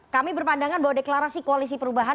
kami berpandangan bahwa deklarasi koalisi perubahan